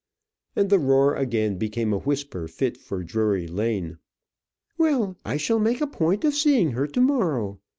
And the roar again became a whisper fit for Drury Lane. "Well, I shall make a point of seeing her to morrow.